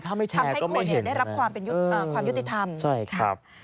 ทำให้คนได้รับความยุติธรรม